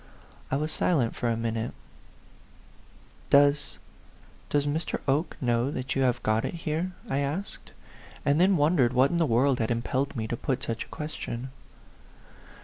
I was silent for a minute. " Does does Mr. Oke know that you have got it here?" I asked; and then wondered 64 A PHANTOM LOVER. what in the world had impelled me to put such a question.